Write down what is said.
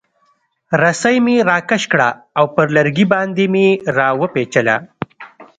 رسۍ مې راکش کړه او پر لرګي باندې مې را وپیچله.